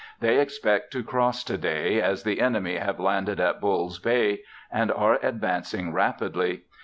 They expect to cross today, as the enemy have landed at Bull's Bay and are advancing rapidly.